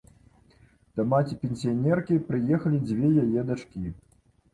Да маці-пенсіянеркі прыехалі дзве яе дачкі.